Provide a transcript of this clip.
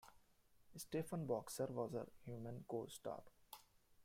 Stephen Boxer was her human co-star.